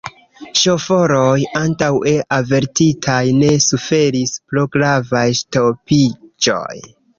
Ŝoforoj, antaŭe avertitaj, ne suferis pro gravaj ŝtopiĝoj.